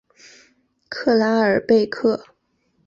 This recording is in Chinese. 克拉尔贝克。